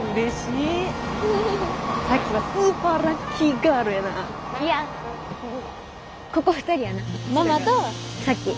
いやここ２人やな。ママと咲妃。